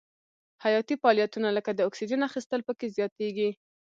حیاتي فعالیتونه لکه د اکسیجن اخیستل پکې زیاتیږي.